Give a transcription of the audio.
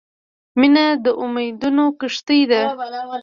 • مینه د امیدونو کښتۍ ده.